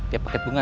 iya paket bunga